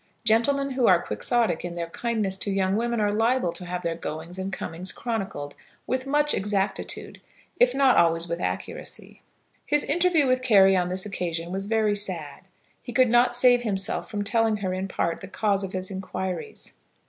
Gentlemen who are Quixotic in their kindness to young women are liable to have their goings and comings chronicled with much exactitude, if not always with accuracy. His interview with Carry on this occasion was very sad. He could not save himself from telling her in part the cause of his inquiries.